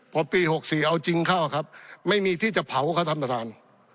พอปี๖๔เอาจริงเข้าครับไม่มีที่จะเผาครับท่านประธาน